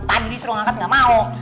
tadi disuruh ngangkat nggak mau